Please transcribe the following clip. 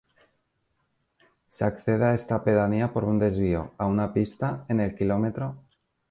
Se accede a esta pedanía por un desvío, a una pista, en el km.